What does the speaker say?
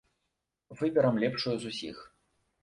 Выберам лепшую з усіх.